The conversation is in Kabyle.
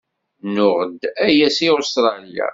Nuɣ-d aya seg Ustṛalya.